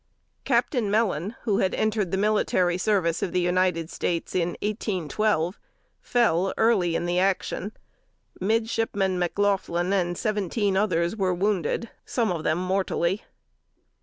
Captain Mellon, who had entered the military service of the United States in 1812, fell early in the action. Midshipman McLaughlin and seventeen others were wounded; some of them mortally.